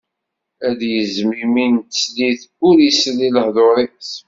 Ad yezzem imi n teslit, ur isel i lehḍur-is.